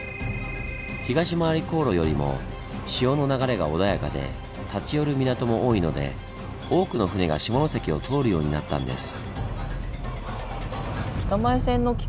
東廻り航路よりも潮の流れが穏やかで立ち寄る港も多いので多くの船が下関を通るようになったんです。